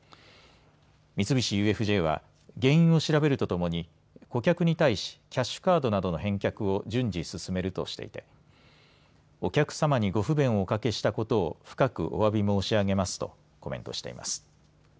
三菱ＵＦＪは原因を調べるとともに顧客に対し、キャッシュカードなどの返却を順次進めるとしていてお客様にご不便をおかけしたことを深くおわび申し上げますとコメントしています。